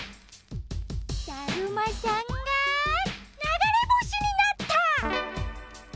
だるまさんがながれぼしになった！